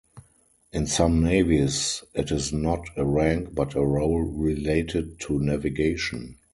In some navies, it is not a rank but a role related to navigation.